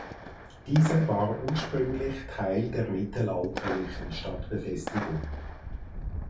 Dieser war ursprünglich Teil der mittelalterlichen Stadtbefestigung.